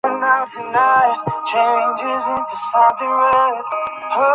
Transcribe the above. অনেকক্ষণ পরে মহেন্দ্র হঠাৎ কথা কহিল।